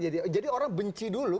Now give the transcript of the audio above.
jadi orang benci dulu